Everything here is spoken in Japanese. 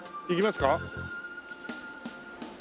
行きますか？